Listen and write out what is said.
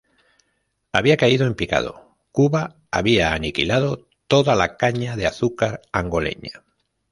Había caído en picado, Cuba había aniquilado toda la caña de azúcar angoleña.